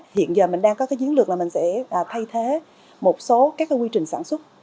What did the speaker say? hiện giờ mình đang có chiến lược là mình sẽ thay thế một số các quy trình sản xuất